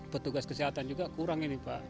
petugas kesehatan juga kurang ini pak